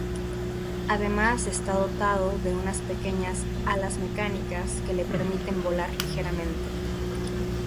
Además está dotado de unas pequeñas alas mecánicas que le permiten volar ligeramente.